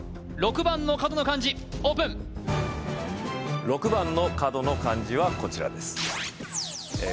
６番の角の漢字オープン６番の角の漢字はこちらですええ